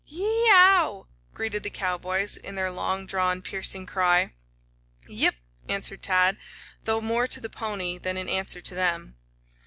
"Y e e e o w!" greeted the cowboys in their long drawn, piercing cry. "Yip!" answered Tad, though more to the pony than in answer to them.